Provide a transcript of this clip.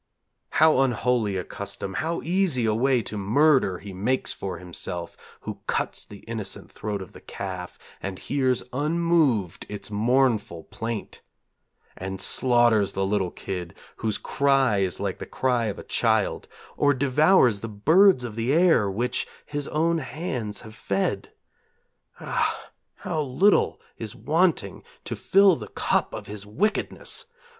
How unholy a custom, how easy a way to murder he makes for himself Who cuts the innocent throat of the calf, and hears unmoved its mournful plaint! And slaughters the little kid, whose cry is like the cry of a child, Or devours the birds of the air which his own hands have fed! Ah, how little is wanting to fill the cup of his wickedness!